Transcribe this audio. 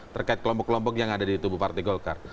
terkait kelompok kelompok yang ada di tubuh partai golkar